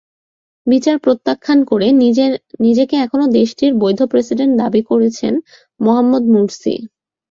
বিচার প্রত্যাখ্যান করে নিজেকে এখনো দেশটির বৈধ প্রেসিডেন্ট দাবি করেছেন মোহাম্মদ মুরসি।